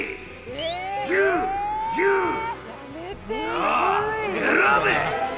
さあ選べ！